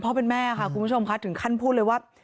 เป็นแม่ค่ะคุณผู้ชมค่ะถึงขั้นพูดเลยว่า